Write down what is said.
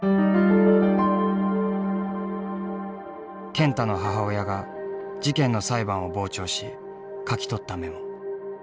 健太の母親が事件の裁判を傍聴し書き取ったメモ。